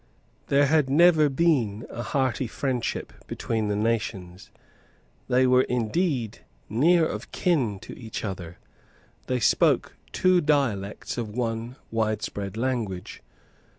There had never been a hearty friendship between the nations. They were indeed near of kin to each other. They spoke two dialects of one widespread language.